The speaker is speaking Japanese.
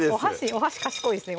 お箸賢いですね